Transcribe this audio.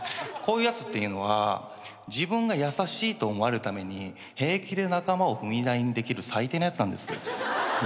こういうやつっていうのは自分が優しいと思われるために平気で仲間を踏み台にできる最低なやつなんです。